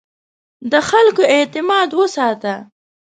د خلکو اعتماد وساته.